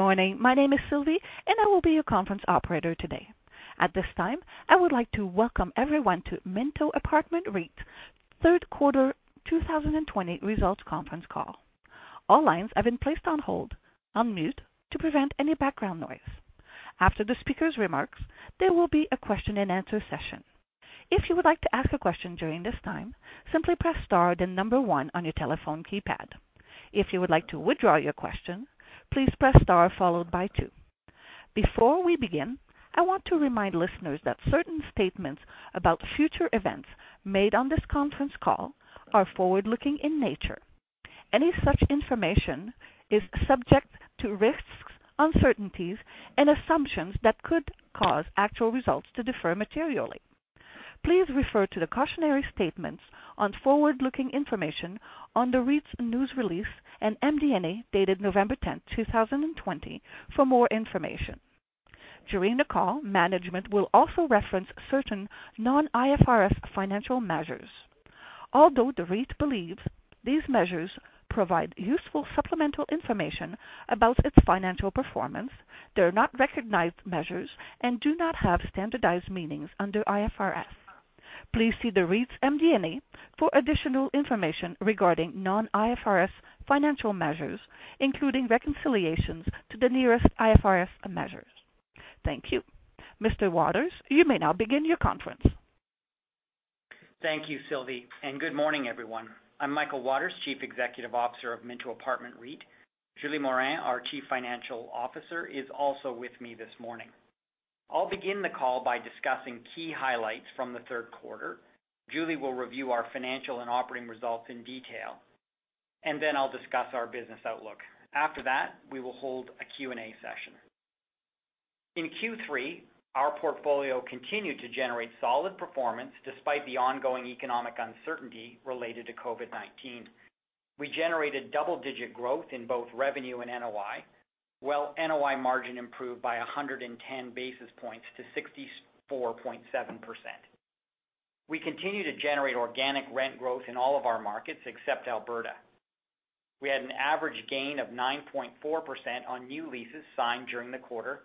Good morning. My name is Sylvie. I will be your conference operator today. At this time, I would like to welcome everyone to Minto Apartment REIT's Third Quarter 2020 results conference call. All lines have been placed on hold, on mute, to prevent any background noise. After the speaker's remarks, there will be a question and answer session. If you would like to ask a question during this time, simply press star then number one on your telephone keypad. If you would like to withdraw your question, please press star followed by two. Before we begin, I want to remind listeners that certain statements about future events made on this conference call are forward-looking in nature. Any such information is subject to risks, uncertainties, and assumptions that could cause actual results to differ materially. Please refer to the cautionary statements on forward-looking information on the REIT's news release and MD&A, dated November 10, 2020, for more information. During the call, management will also reference certain non-IFRS financial measures. Although the REIT believes these measures provide useful supplemental information about its financial performance, they're not recognized measures and do not have standardized meanings under IFRS. Please see the REIT's MD&A for additional information regarding non-IFRS financial measures, including reconciliations to the nearest IFRS measures, thank you. Mr. Waters, you may now begin your conference. Thank you, Sylvie, and good morning, everyone. I'm Michael Waters, Chief Executive Officer of Minto Apartment REIT. Julie Morin, our Chief Financial Officer, is also with me this morning. I'll begin the call by discussing key highlights from the third quarter. Julie will review our financial and operating results in detail, then I'll discuss our business outlook. After that, we will hold a Q&A session. In Q3, our portfolio continued to generate solid performance despite the ongoing economic uncertainty related to COVID-19. We generated double-digit growth in both revenue and NOI. While NOI margin improved by 110 basis points to 64.7%. We continue to generate organic rent growth in all of our markets except Alberta. We had an average gain of 9.4% on new leases signed during the quarter,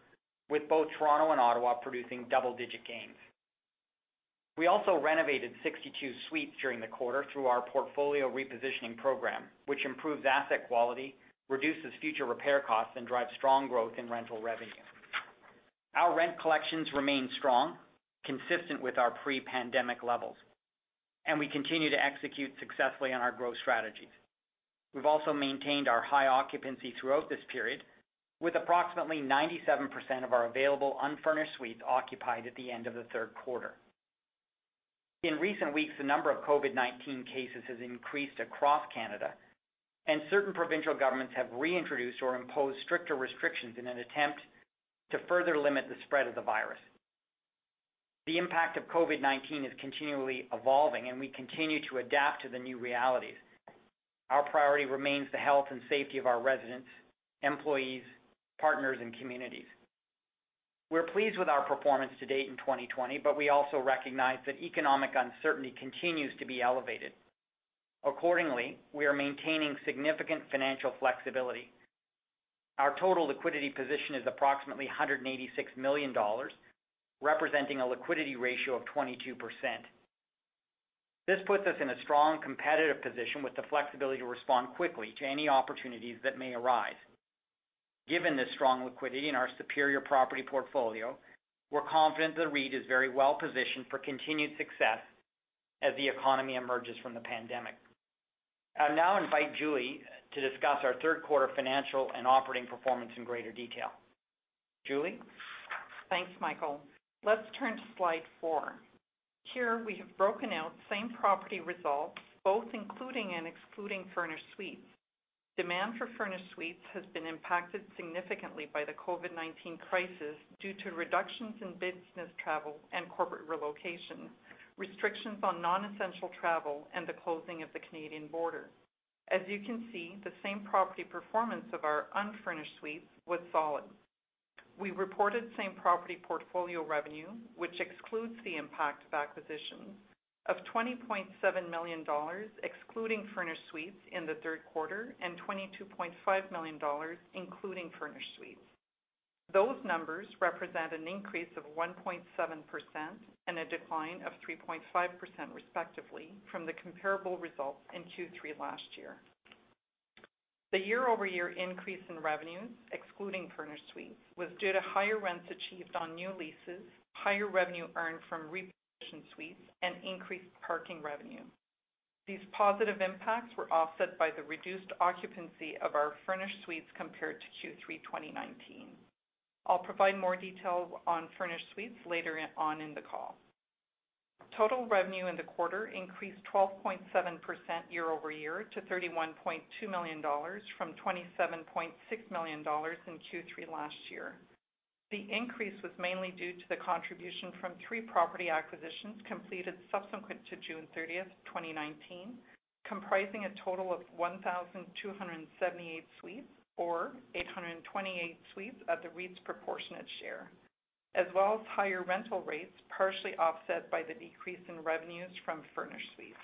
with both Toronto and Ottawa producing double-digit gains. We also renovated 62 suites during the quarter through our portfolio repositioning program, which improves asset quality, reduces future repair costs, and drives strong growth in rental revenue. Our rent collections remain strong, consistent with our pre-pandemic levels, and we continue to execute successfully on our growth strategies. We've also maintained our high occupancy throughout this period, with approximately 97% of our available unfurnished suites occupied at the end of the third quarter. In recent weeks, the number of COVID-19 cases has increased across Canada, and certain provincial governments have reintroduced or imposed stricter restrictions in an attempt to further limit the spread of the virus. The impact of COVID-19 is continually evolving, and we continue to adapt to the new realities. Our priority remains the health and safety of our residents, employees, partners, and communities. We're pleased with our performance to date in 2020, but we also recognize that economic uncertainty continues to be elevated. Accordingly, we are maintaining significant financial flexibility. Our total liquidity position is approximately 186 million dollars, representing a liquidity ratio of 22%. This puts us in a strong competitive position with the flexibility to respond quickly to any opportunities that may arise. Given the strong liquidity and our superior property portfolio, we're confident the REIT is very well-positioned for continued success as the economy emerges from the pandemic. I'll now invite Julie to discuss our third quarter financial and operating performance in greater detail. Julie? Thanks, Michael. Let's turn to slide four. Here, we have broken out same property results, both including and excluding furnished suites. Demand for furnished suites has been impacted significantly by the COVID-19 crisis due to reductions in business travel and corporate relocation, restrictions on non-essential travel, and the closing of the Canadian border. As you can see, the same property performance of our unfurnished suites was solid. We reported same property portfolio revenue, which excludes the impact of acquisitions of 20.7 million dollars, excluding furnished suites in the third quarter, and 22.5 million dollars, including furnished suites. Those numbers represent an increase of 1.7% and a decline of 3.5%, respectively, from the comparable results in Q3 last year. The year-over-year increase in revenue, excluding furnished suites, was due to higher rents achieved on new leases, higher revenue earned from repositioned suites, and increased parking revenue. These positive impacts were offset by the reduced occupancy of our furnished suites compared to Q3 2019. I'll provide more details on furnished suites later on in the call. Total revenue in the quarter increased 12.7% year-over-year to 31.2 million dollars from 27.6 million dollars in Q3 last year. The increase was mainly due to the contribution from three property acquisitions completed subsequent to June 30, 2019, comprising a total of 1,278 suites or 828 suites at the REIT's proportionate share, as well as higher rental rates, partially offset by the decrease in revenues from furnished suites.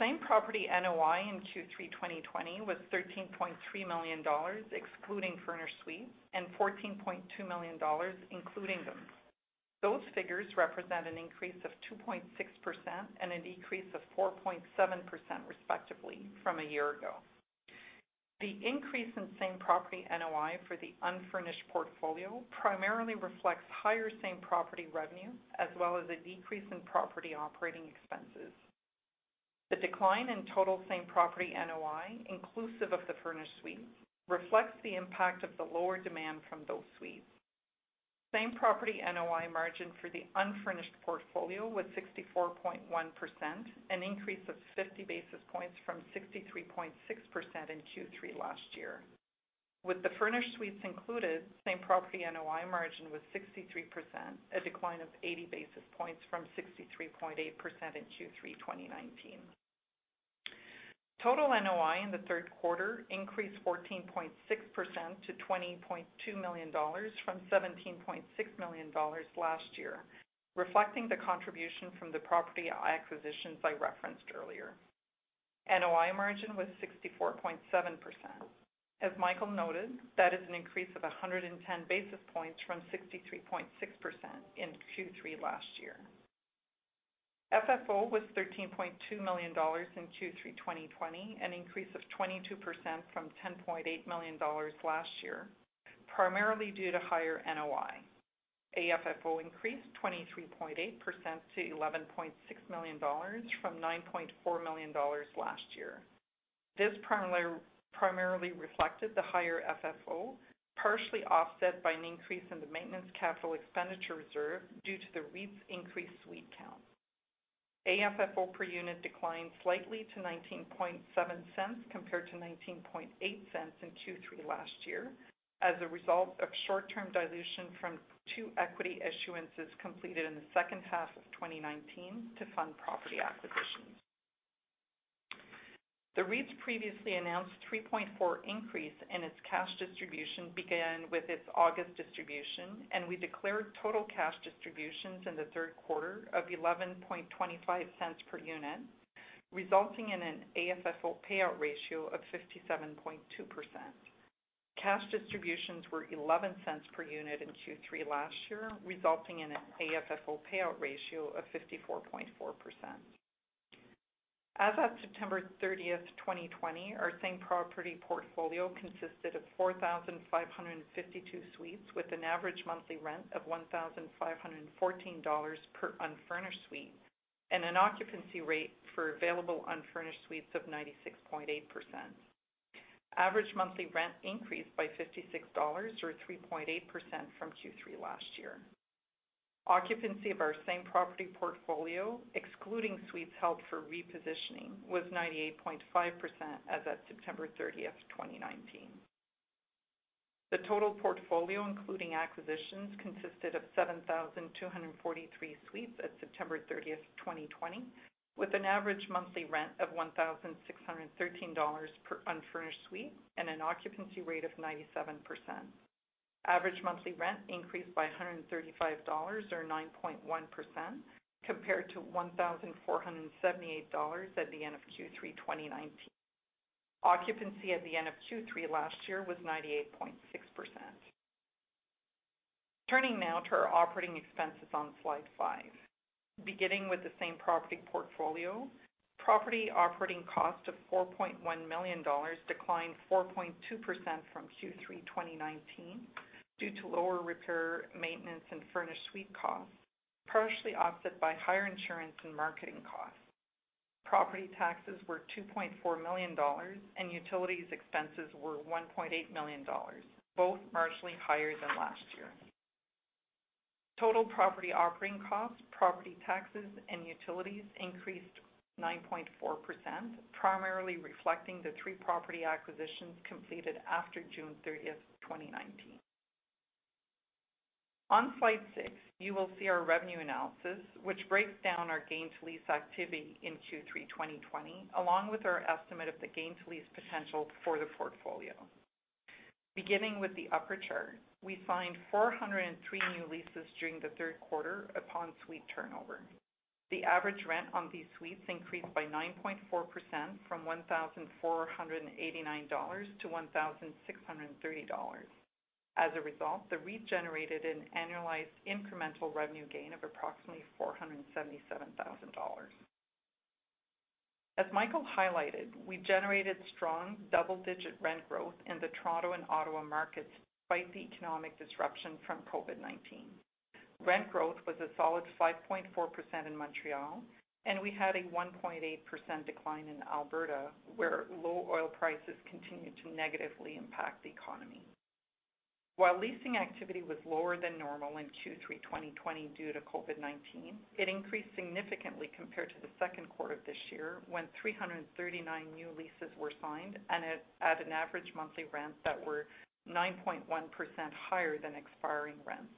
Same property NOI in Q3 2020 was 13.3 million dollars, excluding furnished suites, and 14.2 million dollars, including them. Those figures represent an increase of 2.6% and a decrease of 4.7%, respectively, from a year ago. The increase in same-property NOI for the unfurnished portfolio primarily reflects higher same-property revenue, as well as a decrease in property operating expenses. The decline in total same-property NOI, inclusive of the furnished suites, reflects the impact of the lower demand from those suites. Same-property NOI margin for the unfurnished portfolio was 64.1%, an increase of 50 basis points from 63.6% in Q3 last year. With the furnished suites included, same-property NOI margin was 63%, a decline of 80 basis points from 63.8% in Q3 2019. Total NOI in the third quarter increased 14.6% to 20.2 million dollars from 17.6 million dollars last year, reflecting the contribution from the property acquisitions I referenced earlier. NOI margin was 64.7%. As Michael noted, that is an increase of 110 basis points from 63.6% in Q3 last year. FFO was CAD 13.2 million in Q3 2020, an increase of 22% from CAD 10.8 million last year, primarily due to higher NOI. AFFO increased 23.8% to 11.6 million dollars from 9.4 million dollars last year. This primarily reflected the higher FFO, partially offset by an increase in the maintenance capital expenditure reserve due to the REIT's increased suite count. AFFO per unit declined slightly to 0.197 compared to 0.198 in Q3 last year as a result of short-term dilution from two equity issuances completed in the second half of 2019 to fund property acquisitions. The REIT's previously announced 3.4% increase in its cash distribution began with its August distribution, and we declared total cash distributions in the third quarter of 0.1125 per unit, resulting in an AFFO payout ratio of 57.2%. Cash distributions were 0.11 per unit in Q3 last year, resulting in an AFFO payout ratio of 54.4%. As of September 30th, 2020, our same-property portfolio consisted of 4,552 suites with an average monthly rent of 1,514 dollars per unfurnished suite, and an occupancy rate for available unfurnished suites of 96.8%. Average monthly rent increased by 56 dollars, or 3.8% from Q3 last year. Occupancy of our same-property portfolio, excluding suites held for repositioning, was 98.5% as of September 30th, 2019. The total portfolio, including acquisitions, consisted of 7,243 suites at September 30th, 2020, with an average monthly rent of 1,613 dollars per unfurnished suite and an occupancy rate of 97%. Average monthly rent increased by 135 dollars, or 9.1%, compared to 1,478 dollars at the end of Q3 2019. Occupancy at the end of Q3 last year was 98.6%. Turning now to our operating expenses on slide five. Beginning with the same-property portfolio, property operating cost of 4.1 million dollars declined 4.2% from Q3 2019 due to lower repair, maintenance, and furnished suite costs, partially offset by higher insurance and marketing costs. Property taxes were 2.4 million dollars and utilities expenses were 1.8 million dollars, both marginally higher than last year. Total property operating costs, property taxes, and utilities increased 9.4%, primarily reflecting the three property acquisitions completed after June 30, 2019. On slide six, you will see our revenue analysis, which breaks down our gain to lease activity in Q3 2020, along with our estimate of the gain to lease potential for the portfolio. Beginning with the upper chart, we signed 403 new leases during the third quarter upon suite turnover. The average rent on these suites increased by 9.4%, from 1,489 dollars to 1,630 dollars. As a result, the REIT generated an annualized incremental revenue gain of approximately 477,000 dollars. As Michael highlighted, we generated strong double-digit rent growth in the Toronto and Ottawa markets despite the economic disruption from COVID-19. Rent growth was a solid 5.4% in Montreal, and we had a 1.8% decline in Alberta, where low oil prices continue to negatively impact the economy. While leasing activity was lower than normal in Q3 2020 due to COVID-19, it increased significantly compared to the second quarter of this year, when 339 new leases were signed and at an average monthly rent that were 9.1% higher than expiring rents.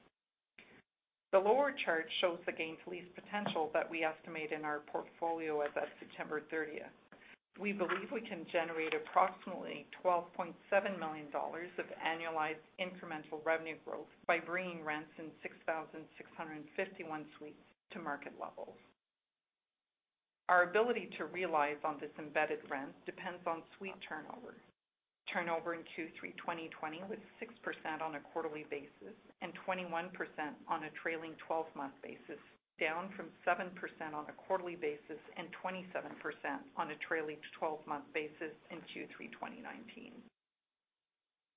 The lower chart shows the gain to lease potential that we estimate in our portfolio as of September 30th. We believe we can generate approximately 12.7 million dollars of annualized incremental revenue growth by bringing rents in 6,651 suites to market levels. Our ability to realize on this embedded rent depends on suite turnover. Turnover in Q3 2020 was 6% on a quarterly basis and 21% on a trailing 12-month basis, down from 7% on a quarterly basis and 27% on a trailing 12-month basis in Q3 2019.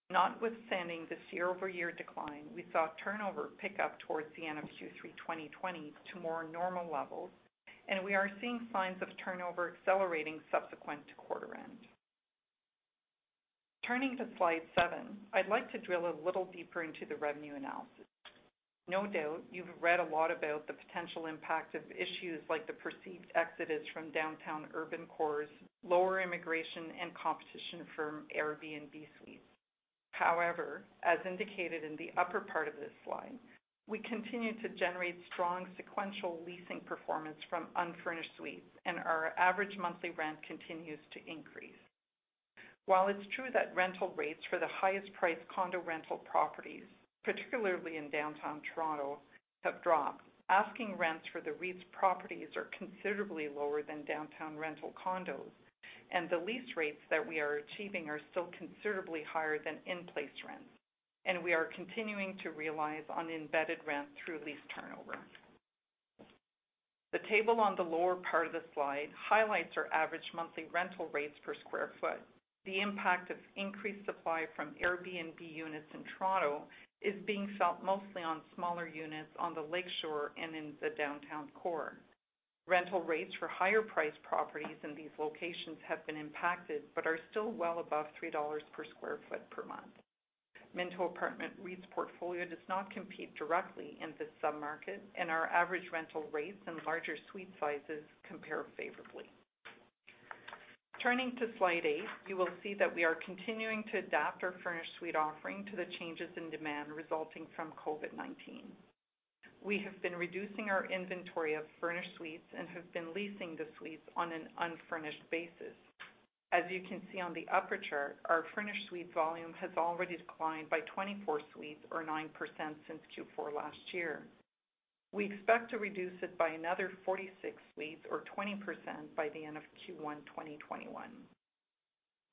Notwithstanding this year-over-year decline, we saw turnover pick up towards the end of Q3 2020 to more normal levels, and we are seeing signs of turnover accelerating subsequent to quarter end. Turning to slide seven, I'd like to drill a little deeper into the revenue analysis. No doubt you've read a lot about the potential impact of issues like the perceived exodus from downtown urban cores, lower immigration, and competition from Airbnb suites. However, as indicated in the upper part of this slide, we continue to generate strong sequential leasing performance from unfurnished suites, and our average monthly rent continues to increase. While it's true that rental rates for the highest priced condo rental properties, particularly in downtown Toronto, have dropped, asking rents for the REIT's properties are considerably lower than downtown rental condos, and the lease rates that we are achieving are still considerably higher than in-place rents. We are continuing to realize on embedded rent through lease turnover. The table on the lower part of the slide highlights our average monthly rental rates per square foot. The impact of increased supply from Airbnb units in Toronto is being felt mostly on smaller units on the lakeshore and in the downtown core. Rental rates for higher priced properties in these locations have been impacted, but are still well above 3 dollars per square foot per month. Minto Apartment REIT's portfolio does not compete directly in this sub-market, and our average rental rates and larger suite sizes compare favorably. Turning to slide eight, you will see that we are continuing to adapt our furnished suite offering to the changes in demand resulting from COVID-19. We have been reducing our inventory of furnished suites and have been leasing the suites on an unfurnished basis. As you can see on the upper chart, our furnished suite volume has already declined by 24 suites or 9% since Q4 last year. We expect to reduce it by another 46 suites or 20% by the end of Q1 2021.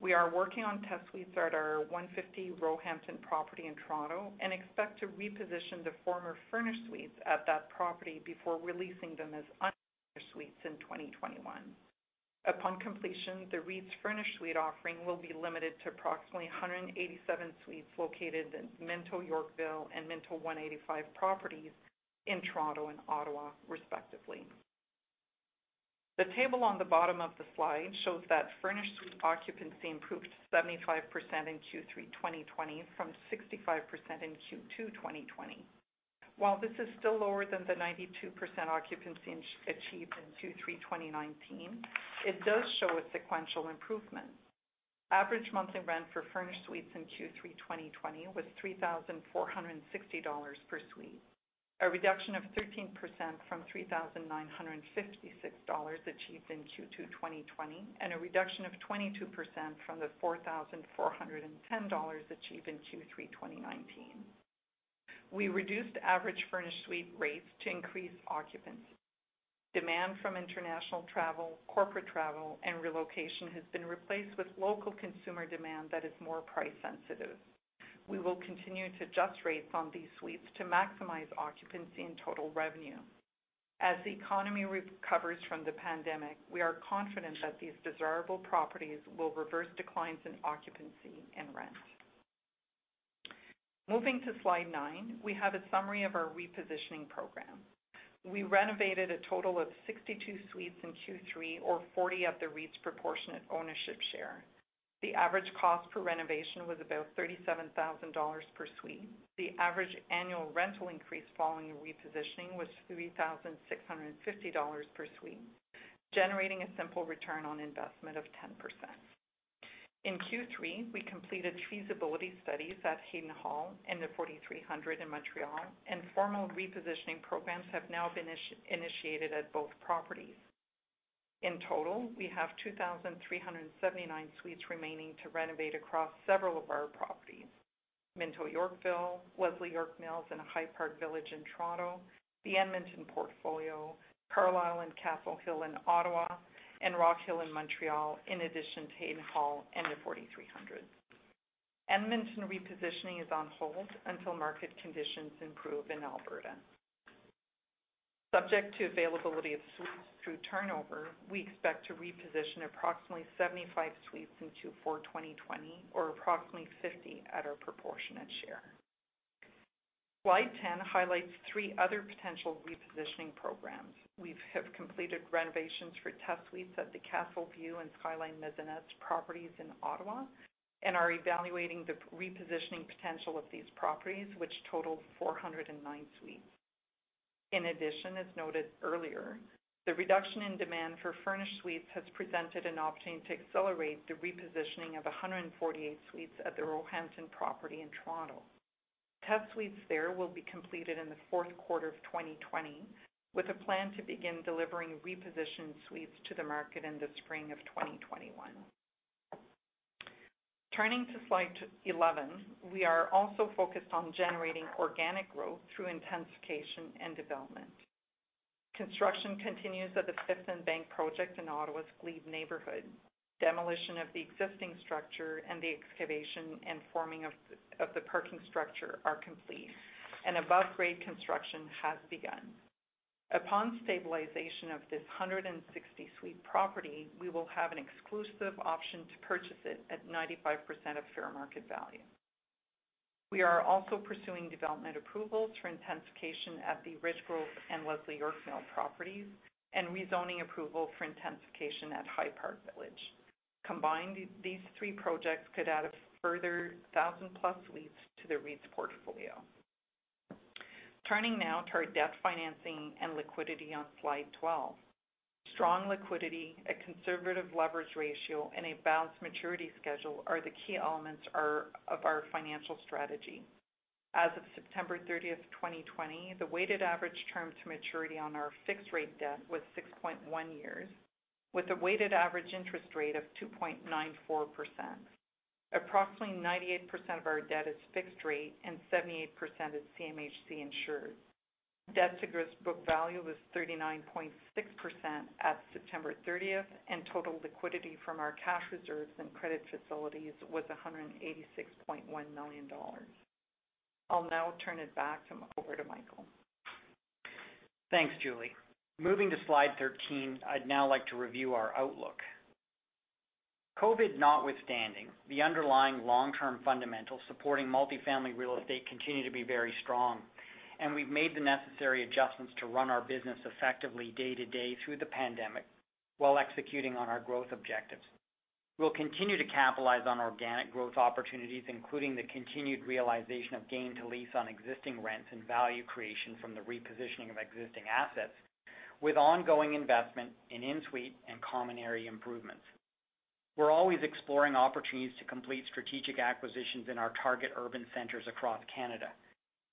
We are working on test suites at our 150 Roehampton property in Toronto and expect to reposition the former furnished suites at that property before releasing them as unfurnished suites in 2021. Upon completion, the REIT's furnished suite offering will be limited to approximately 187 suites located in Minto Yorkville and Minto one80five properties in Toronto and Ottawa, respectively. The table on the bottom of the slide shows that furnished suite occupancy improved to 75% in Q3 2020 from 65% in Q2 2020. While this is still lower than the 92% occupancy achieved in Q3 2019, it does show a sequential improvement. Average monthly rent for furnished suites in Q3 2020 was 3,460 dollars per suite, a reduction of 13% from 3,956 dollars achieved in Q2 2020, and a reduction of 22% from the 4,410 dollars achieved in Q3 2019. We reduced average furnished suite rates to increase occupancy. Demand from international travel, corporate travel, and relocation has been replaced with local consumer demand that is more price sensitive. We will continue to adjust rates on these suites to maximize occupancy and total revenue. As the economy recovers from the pandemic, we are confident that these desirable properties will reverse declines in occupancy and rent. Moving to slide nine, we have a summary of our repositioning program. We renovated a total of 62 suites in Q3, or 40 of the REIT's proportionate ownership share. The average cost per renovation was about 37,000 dollars per suite. The average annual rental increase following a repositioning was 3,650 dollars per suite, generating a simple return on investment of 10%. In Q3, we completed feasibility studies at Haddon Hall and Le 4300 in Montreal, and formal repositioning programs have now been initiated at both properties. In total, we have 2,379 suites remaining to renovate across several of our properties: Minto Yorkville, Leslie York Mills, and High Park Village in Toronto, the Edmonton portfolio, Carlisle and Castle Hill in Ottawa, and Rockhill in Montreal, in addition to Haddon Hall and Le 4300. Edmonton repositioning is on hold until market conditions improve in Alberta. Subject to availability of suites through turnover, we expect to reposition approximately 75 suites in Q4 2020, or approximately 50 at our proportionate share. Slide 10 highlights three other potential repositioning programs. We have completed renovations for test suites at the Castleview and Skyline Mezzanette properties in Ottawa and are evaluating the repositioning potential of these properties, which total 409 suites. In addition, as noted earlier, the reduction in demand for furnished suites has presented an opportunity to accelerate the repositioning of 148 suites at the Roehampton property in Toronto. Test suites there will be completed in the fourth quarter of 2020, with a plan to begin delivering repositioned suites to the market in the spring of 2021. Turning to slide 11. We are also focused on generating organic growth through intensification and development. Construction continues at the Fifth and Bank project in Ottawa's Glebe neighborhood. Demolition of the existing structure and the excavation and forming of the parking structure are complete, and above-grade construction has begun. Upon stabilization of this 160-suite property, we will have an exclusive option to purchase it at 95% of fair market value. We are also pursuing development approvals for intensification at the Richgrove and Leslie York Mills properties, and rezoning approval for intensification at High Park Village. Combined, these three projects could add a further 1,000-plus suites to the REIT's portfolio. Turning now to our debt financing and liquidity on slide 12. Strong liquidity, a conservative leverage ratio, and a balanced maturity schedule are the key elements of our financial strategy. As of September 30th, 2020, the weighted average term to maturity on our fixed-rate debt was 6.1 years, with a weighted average interest rate of 2.94%. Approximately 98% of our debt is fixed rate and 78% is CMHC insured. Debt to gross book value was 39.6% at September 30th, and total liquidity from our cash reserves and credit facilities was 186.1 million dollars. I'll now turn it back over to Michael. Thanks, Julie. Moving to slide 13. I'd now like to review our outlook. COVID notwithstanding, the underlying long-term fundamentals supporting multifamily real estate continue to be very strong, and we've made the necessary adjustments to run our business effectively day-to-day through the pandemic while executing on our growth objectives. We'll continue to capitalize on organic growth opportunities, including the continued realization of gain to lease on existing rents and value creation from the repositioning of existing assets. With ongoing investment in in-suite and common area improvements. We're always exploring opportunities to complete strategic acquisitions in our target urban centers across Canada.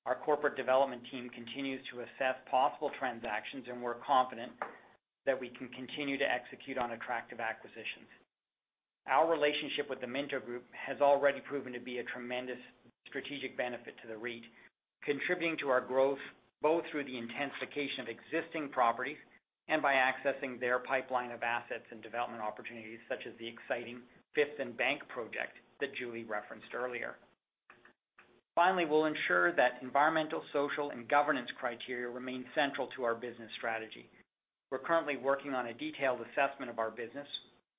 Our corporate development team continues to assess possible transactions, and we're confident that we can continue to execute on attractive acquisitions. Our relationship with the Minto Group has already proven to be a tremendous strategic benefit to the REIT, contributing to our growth both through the intensification of existing properties and by accessing their pipeline of assets and development opportunities, such as the exciting Fifth and Bank project that Julie referenced earlier. Finally, we'll ensure that environmental, social, and governance criteria remain central to our business strategy. We're currently working on a detailed assessment of our business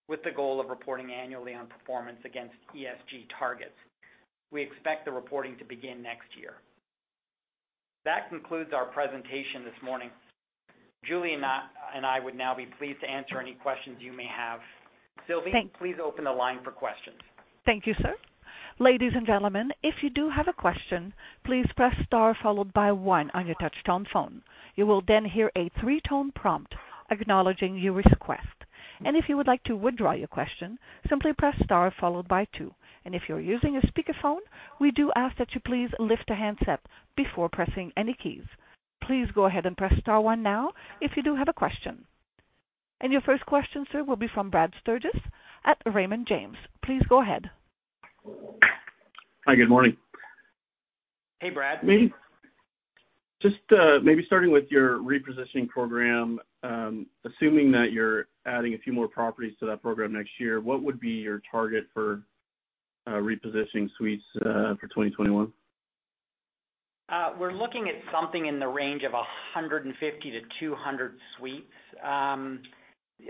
with the goal of reporting annually on performance against ESG targets. We expect the reporting to begin next year. That concludes our presentation this morning. Julie and I would now be pleased to answer any questions you may have. Sylvie, please open the line for questions. Thank you, sir. Ladies and gentlemen, if you do have a question, please press star followed by one on your touch-tone phone. You will then hear a three-tone prompt acknowledging your request. If you would like to withdraw your question, simply press star followed by two. If you're using a speakerphone, we do ask that you please lift the handset before pressing any keys. Please go ahead and press star one now if you do have a question. Your first question, sir, will be from Brad Sturges at Raymond James. Please go ahead. Hi, good morning. Hey, Brad. Just maybe starting with your repositioning program. Assuming that you're adding a few more properties to that program next year, what would be your target for repositioning suites, for 2021? We're looking at something in the range of 150-200 suites.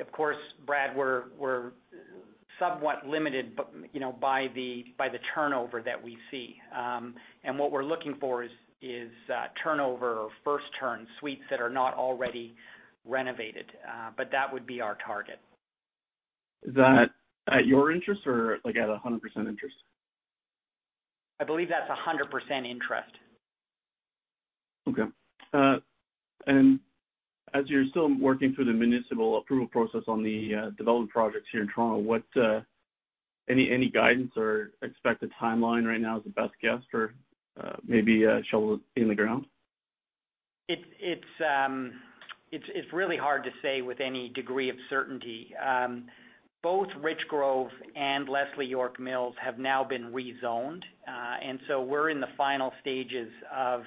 Of course, Brad, we're somewhat limited by the turnover that we see. What we're looking for is turnover or first-turn suites that are not already renovated. That would be our target. Is that at your interest or at 100% interest? I believe that's 100% interest. Okay. As you're still working through the municipal approval process on the development projects here in Toronto, any guidance or expected timeline right now as the best guess for maybe a shovel in the ground? It's really hard to say with any degree of certainty. Both Richgrove and Leslie York Mills have now been rezoned, and so we're in the final stages of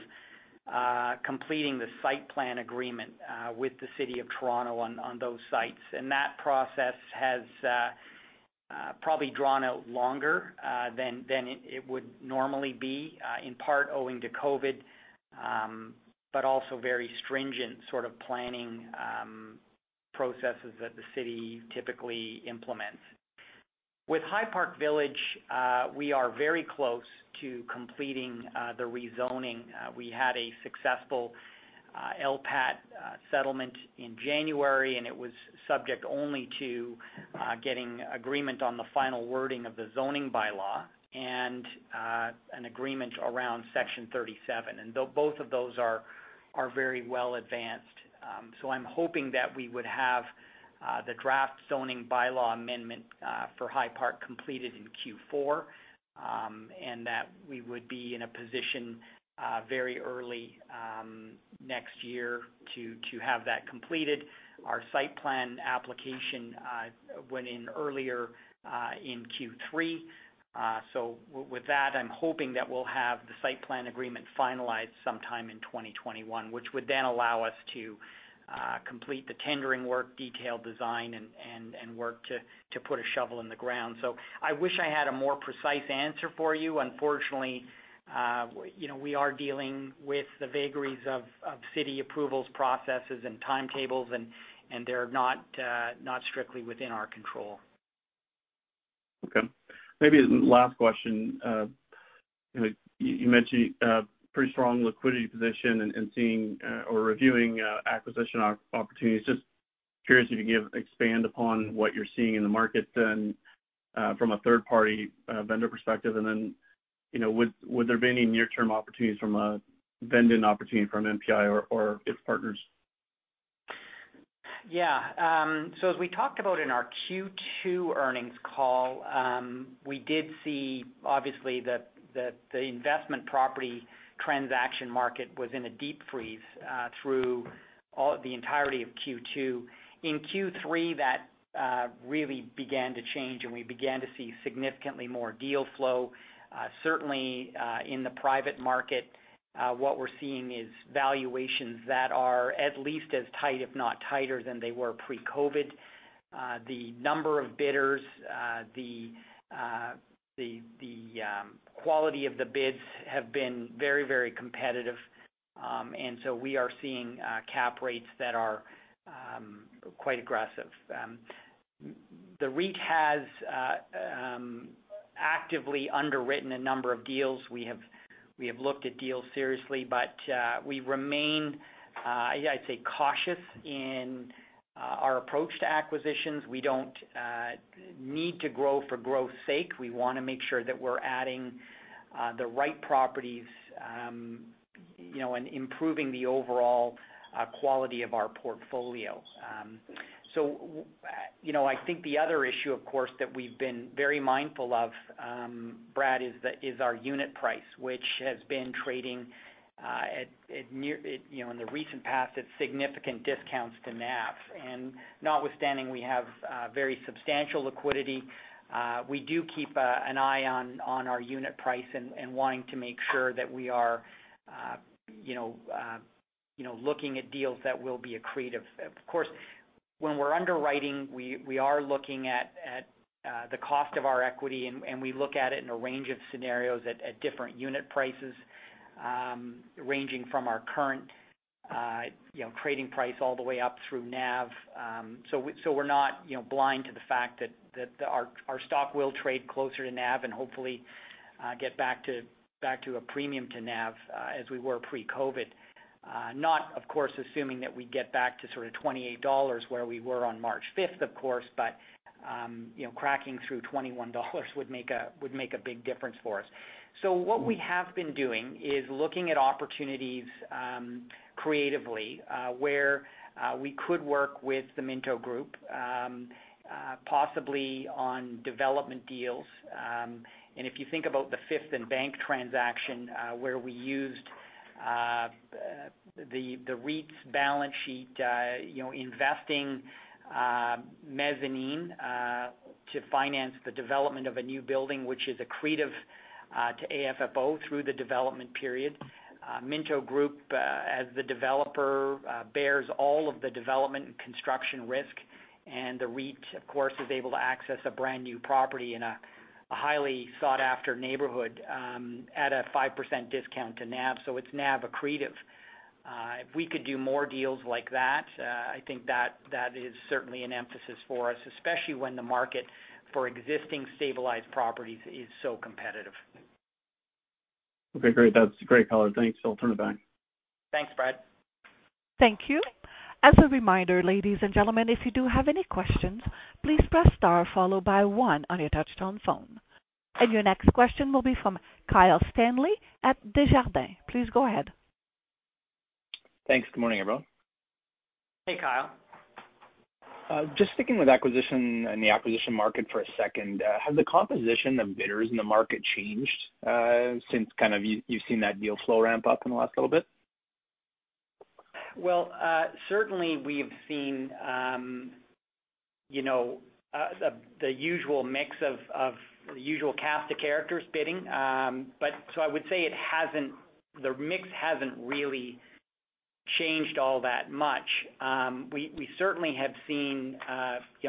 completing the site plan agreement with the City of Toronto on those sites. That process has probably drawn out longer than it would normally be. In part owing to COVID, but also very stringent sort of planning processes that the city typically implements. With High Park Village, we are very close to completing the rezoning. We had a successful LPAT settlement in January, and it was subject only to getting agreement on the final wording of the zoning by-law and an agreement around Section 37 both of those are very well advanced. I'm hoping that we would have the draft zoning by-law amendment for High Park completed in Q4, and that we would be in a position very early next year to have that completed. Our site plan application went in earlier in Q3. With that, I'm hoping that we'll have the site plan agreement finalized sometime in 2021, which would then allow us to complete the tendering work, detail design, and work to put a shovel in the ground. I wish I had a more precise answer for you. Unfortunately, we are dealing with the vagaries of city approvals processes and timetables, and they're not strictly within our control. Okay. Maybe last question. You mentioned pretty strong liquidity position and seeing or reviewing acquisition opportunities. Just curious if you could expand upon what you're seeing in the market then from a third-party vendor perspective. Would there be any near-term opportunities from a vend-in opportunity from MPI or its partners? Yeah. As we talked about in our Q2 earnings call, we did see obviously that the investment property transaction market was in a deep freeze through the entirety of Q2. In Q3, that really began to change, we began to see significantly more deal flow. Certainly, in the private market, what we're seeing is valuations that are at least as tight, if not tighter than they were pre-COVID. The number of bidders, the quality of the bids have been very competitive. We are seeing cap rates that are quite aggressive. The REIT has actively underwritten a number of deals. We have looked at deals seriously, we remain, I'd say, cautious in our approach to acquisitions. We don't need to grow for growth's sake. We want to make sure that we're adding the right properties, improving the overall quality of our portfolio. I think the other issue, of course, that we've been very mindful of, Brad, is our unit price, which has been trading, in the recent past, at significant discounts to NAV. Notwithstanding, we have very substantial liquidity. We do keep an eye on our unit price and wanting to make sure that we are looking at deals that will be accretive. Of course, when we're underwriting, we are looking at the cost of our equity, and we look at it in a range of scenarios at different unit prices, ranging from our current trading price all the way up through NAV. We're not blind to the fact that our stock will trade closer to NAV and hopefully get back to a premium to NAV as we were pre-COVID. Not, of course, assuming that we get back to 28 dollars where we were on March 5th, of course, but cracking through 21 dollars would make a big difference for us. What we have been doing is looking at opportunities creatively, where we could work with the Minto Group, possibly on development deals. If you think about the Fifth and Bank transaction where we used the REIT's balance sheet, investing mezzanine to finance the development of a new building, which is accretive to AFFO through the development period. Minto Group, as the developer, bears all of the development and construction risk. The REIT, of course, is able to access a brand new property in a highly sought-after neighborhood at a 5% discount to NAV. It's NAV accretive. If we could do more deals like that, I think that is certainly an emphasis for us, especially when the market for existing stabilized properties is so competitive. Okay, great. That's great color. Thanks. I'll turn it back. Thanks, Brad. Thank you. As a reminder, ladies and gentlemen, if you do have any questions, please press star followed by one on your touch-tone phone. Your next question will be from Kyle Stanley at Desjardins. Please go ahead. Thanks. Good morning, everyone. Hey, Kyle. Just sticking with acquisition and the acquisition market for a second. Has the composition of bidders in the market changed since you've seen that deal flow ramp up in the last little bit? Well, certainly we've seen the usual cast of characters bidding. I would say the mix hasn't really changed all that much. We certainly have seen,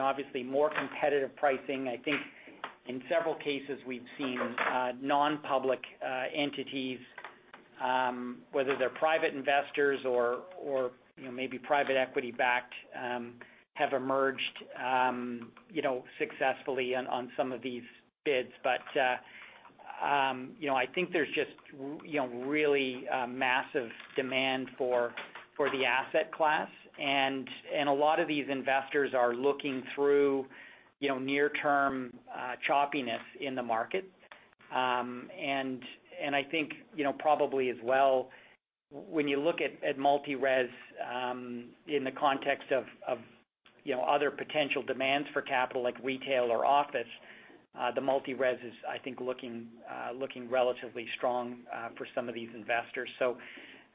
obviously, more competitive pricing. I think in several cases we've seen non-public entities, whether they're private investors or maybe private equity-backed, have emerged successfully on some of these bids. I think there's just really massive demand for the asset class, and a lot of these investors are looking through near-term choppiness in the market. I think, probably as well, when you look at multi-res in the context of other potential demands for capital like retail or office, the multi-res is, I think looking relatively strong for some of these investors.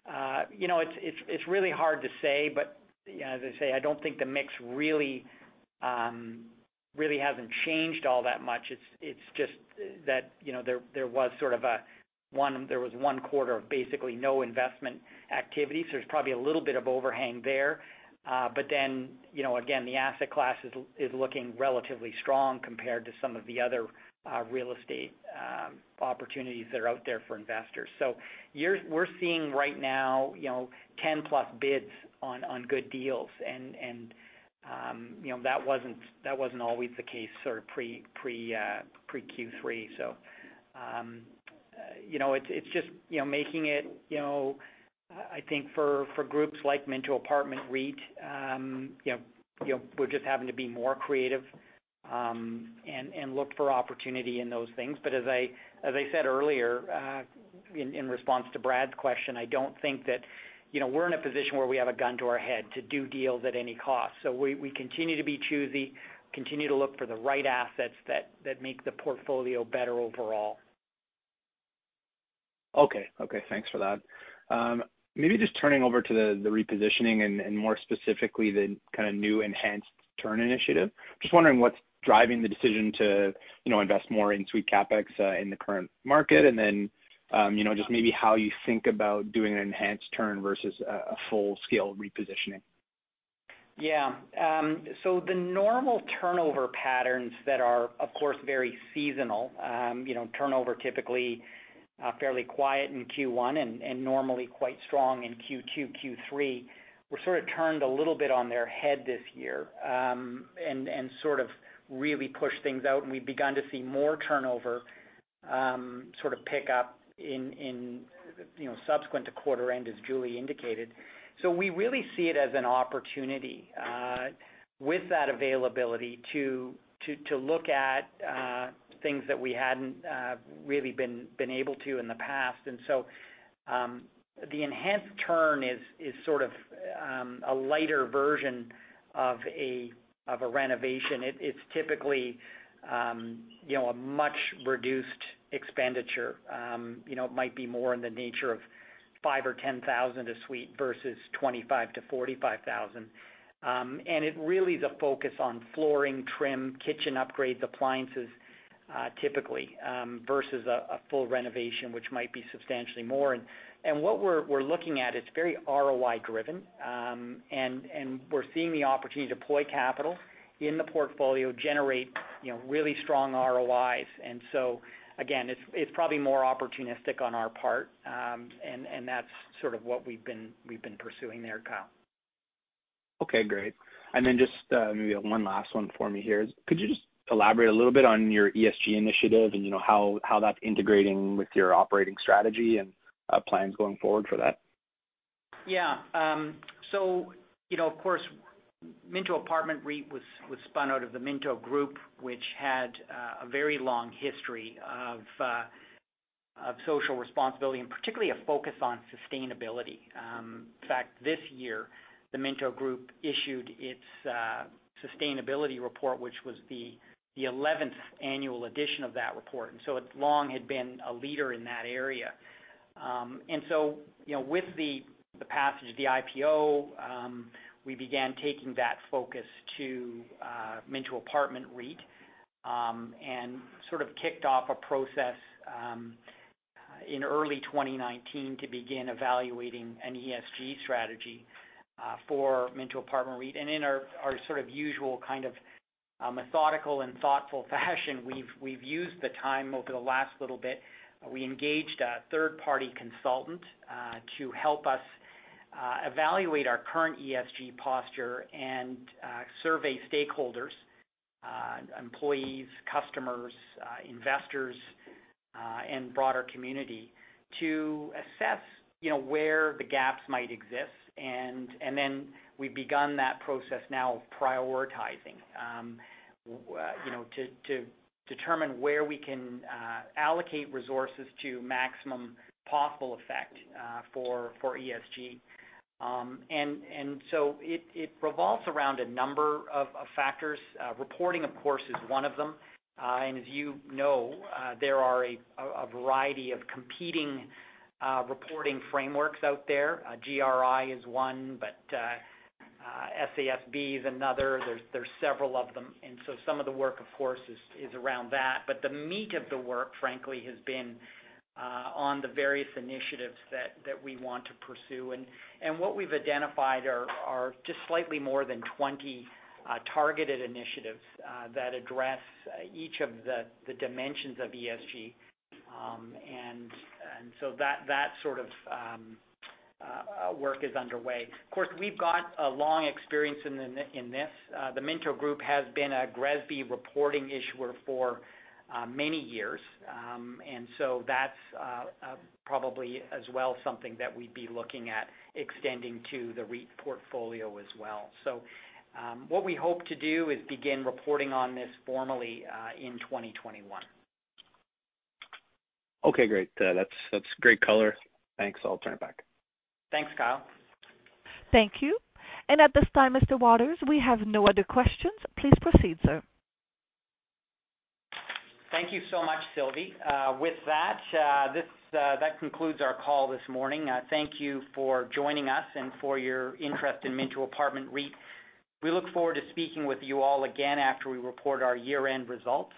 It's really hard to say, but as I say, I don't think the mix really hasn't changed all that much. It's just that there was one quarter of basically no investment activity, so there's probably a little bit of overhang there. Again, the asset class is looking relatively strong compared to some of the other real estate opportunities that are out there for investors. We're seeing right now, 10-plus bids on good deals and that wasn't always the case sort of pre-Q3. It's just making it, I think for groups like Minto Apartment REIT, we're just having to be more creative, and look for opportunity in those things. As I said earlier, in response to Brad's question, I don't think that we're in a position where we have a gun to our head to do deals at any cost. We continue to be choosy, continue to look for the right assets that make the portfolio better overall. Okay. Thanks for that. Maybe just turning over to the repositioning and more specifically, the kind of new enhanced turn initiative. Just wondering what's driving the decision to invest more in suite CapEx in the current market. Just maybe how you think about doing an enhanced turn versus a full-scale repositioning. Yeah. The normal turnover patterns that are, of course, very seasonal. Turnover typically fairly quiet in Q1 and normally quite strong in Q2, Q3, were sort of turned a little bit on their head this year, and sort of really pushed things out, and we've begun to see more turnover sort of pick up in subsequent to quarter end, as Julie indicated. We really see it as an opportunity, with that availability to look at things that we hadn't really been able to in the past. The enhanced turn is sort of a lighter version of a renovation. It's typically a much-reduced expenditure. It might be more in the nature of 5,000 or 10,000 a suite versus 25,000-45,000. It really is a focus on flooring, trim, kitchen upgrades, appliances, typically, versus a full renovation, which might be substantially more. What we're looking at, it's very ROI-driven. We're seeing the opportunity to deploy capital in the portfolio, generate really strong ROIs. Again, it's probably more opportunistic on our part. That's sort of what we've been pursuing there, Kyle. Okay, great. Just maybe one last one for me here. Could you just elaborate a little bit on your ESG initiative and how that's integrating with your operating strategy and plans going forward for that? Of course, Minto Apartment REIT was spun out of the Minto Group, which had a very long history of social responsibility, and particularly a focus on sustainability. In fact, this year, the Minto Group issued its sustainability report, which was the 11th annual edition of that report, and so it long had been a leader in that area. With the passage of the IPO, we began taking that focus to Minto Apartment REIT, and sort of kicked off a process in early 2019 to begin evaluating an ESG strategy for Minto Apartment REIT. In our sort of usual kind of methodical and thoughtful fashion, we've used the time over the last little bit. We engaged a third-party consultant to help us evaluate our current ESG posture and survey stakeholders, employees, customers, investors, and broader community to assess where the gaps might exist. We've begun that process now of prioritizing to determine where we can allocate resources to maximum possible effect for ESG. It revolves around a number of factors. Reporting of course, is one of them. As you know, there are a variety of competing reporting frameworks out there. GRI is one, but SASB is another. There's several of them, and so some of the work, of course, is around that. The meat of the work, frankly, has been on the various initiatives that we want to pursue. What we've identified are just slightly more than 20 targeted initiatives that address each of the dimensions of ESG, that sort of work is underway. Of course, we've got a long experience in this. The Minto Group has been a GRESB reporting issuer for many years. That's probably as well something that we'd be looking at extending to the REIT portfolio as well. What we hope to do is begin reporting on this formally, in 2021. Okay, great. That's great color. Thanks. I'll turn it back. Thanks, Kyle. Thank you. At this time, Mr. Waters, we have no other questions. Please proceed, sir. Thank you so much, Sylvie. That concludes our call this morning. Thank you for joining us and for your interest in Minto Apartment REIT. We look forward to speaking with you all again after we report our year-end results.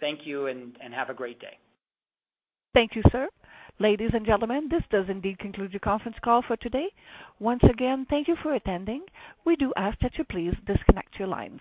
Thank you, have a great day. Thank you, sir. Ladies and gentlemen, this does indeed conclude your conference call for today. Once again, thank you for attending. We do ask that you please disconnect your lines.